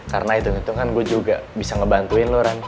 karena itu itu kan gue juga bisa ngebantuin lo ran